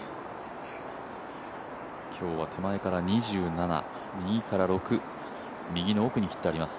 今日は手前から２７右から６右の奥に切ってあります。